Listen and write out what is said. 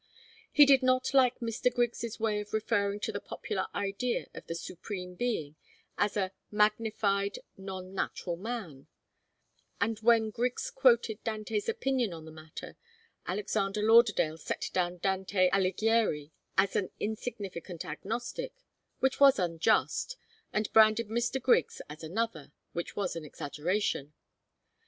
He did not like Mr. Griggs' way of referring to the popular idea of the Supreme Being as a 'magnified, non natural man' and when Griggs quoted Dante's opinion in the matter, Alexander Lauderdale set down Dante Alighieri as an insignificant agnostic, which was unjust, and branded Mr. Griggs as another, which was an exaggeration.